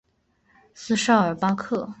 斯绍尔巴克。